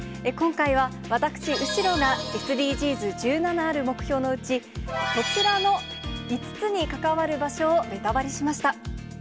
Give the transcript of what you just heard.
今回は、私、後呂がＳＤＧｓ１７ある目標のうち、こちらの５つに関わる場所をベタバリしました。